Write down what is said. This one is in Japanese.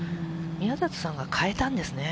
宮里さんが変えたんですね。